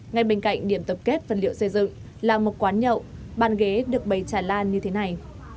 ngay bên cạnh điểm tập kết vật liệu xây dựng là một quán nhậu bàn ghế được bày tràn lan như thế này